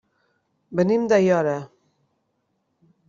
Venim d'Aiora.